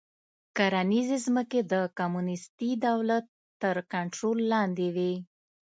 کرنیزې ځمکې د کمونېستي دولت تر کنټرول لاندې وې